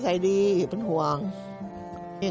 ทำงานชื่อนางหยาดฝนภูมิสุขอายุ๕๔ปี